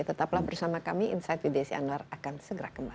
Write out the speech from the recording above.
tetaplah bersama kami insight with desi anwar akan segera kembali